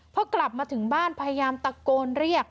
พอกลับมาถึงบ้านพยายามตะโกนเรียก